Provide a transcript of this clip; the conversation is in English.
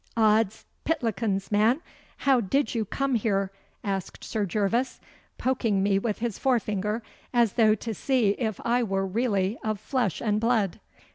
'Od's pitlikins, man, how did you come here?' asked Sir Gervas, poking me with his forefinger as though to see if I were really of flesh and blood.